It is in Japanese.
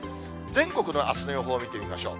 全国のあすの予報を見てみましょう。